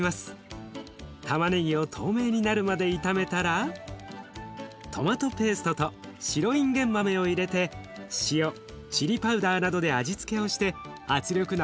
タマネギを透明になるまで炒めたらトマトペーストと白いんげん豆を入れて塩チリパウダーなどで味付けをして圧力鍋で煮込むだけ。